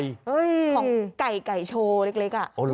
เอ้ยค่ะมันของไก่โชว์เล็กอะโหหรอ